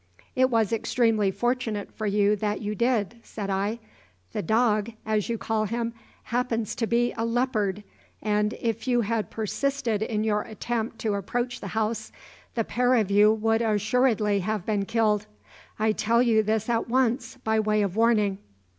"It was extremely fortunate for you that you did," said I. "The `dog', as you call him, happens to be a leopard; and if you had persisted in your attempt to approach the house, the pair of you would assuredly have been killed. I tell you this at once, by way of warning."